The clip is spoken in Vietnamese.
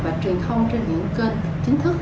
và truyền thông trên những kênh chính thức